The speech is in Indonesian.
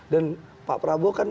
dan pak prabowo kan